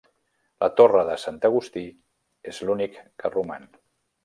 La torre de Sant Agustí és l'únic que roman.